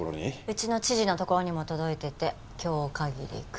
うちの知事のところにも届いてて今日限りクビ。